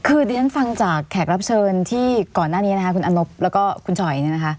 คือดิฉันฟังจากแขกรับเชิญที่ก่อนหน้านี้นะคะคุณอนบแล้วก็คุณจอยเนี่ยนะคะ